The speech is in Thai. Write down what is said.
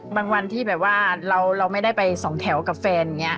วันที่แบบว่าเราไม่ได้ไปสองแถวกับแฟนอย่างนี้